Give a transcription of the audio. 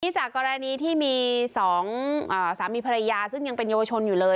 จากกรณีที่มี๒สามีภรรยาซึ่งยังเป็นเยาวชนอยู่เลย